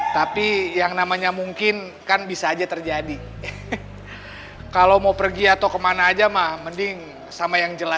dia nggak boleh dikutuk sama chandra pak